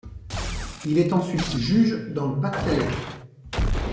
Il est ensuite juge dans le Pas-de-Calais.